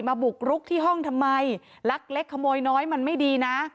บุกรุกที่ห้องทำไมลักเล็กขโมยน้อยมันไม่ดีนะ